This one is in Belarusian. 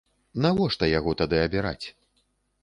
Навошта яго тады абіраць?